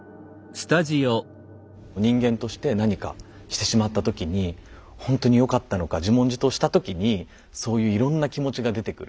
人間として何かしてしまった時にほんとによかったのか自問自答した時にそういういろんな気持ちが出てくる。